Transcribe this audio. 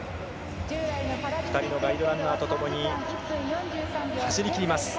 ２人のガイドランナーともに走りきります。